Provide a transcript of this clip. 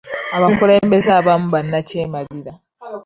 Abakulembeze abamu bannakyemalira.